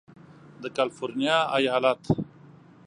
د کالفرنیا ایالت